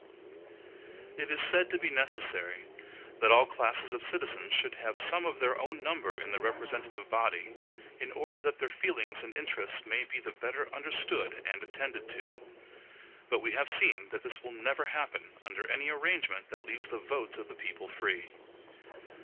It is said to be necessary, that all classes of citizens should have some of their own number in the representative body, in order that their feelings and interests may be the better understood and attended to. But we have seen that this will never happen under any arrangement that leaves the votes of the people free.